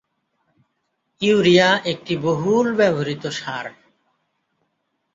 Urea একটি বহুল ব্যবহৃত সার।